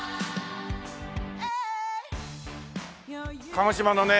鹿児島のね